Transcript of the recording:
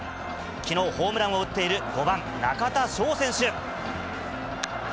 きのう、ホームランを打っている５番中田翔選手。